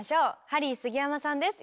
ハリー杉山さんです。